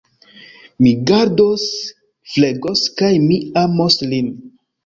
Mi gardos, flegos kaj mi amos lin.